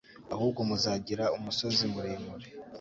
ahubwo muzagira umusozi muremure